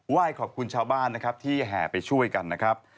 ยขอบคุณชาวบ้านนะครับที่แห่ไปช่วยกันนะครับ